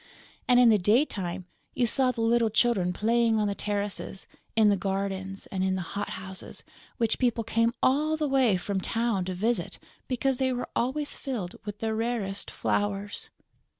And, in the daytime, you saw the little children playing on the terraces, in the gardens and in the hot houses which people came all the way from town to visit because they were always filled with the rarest flowers.